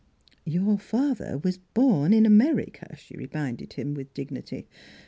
"" Your father was born in America," she re minded him with dignity.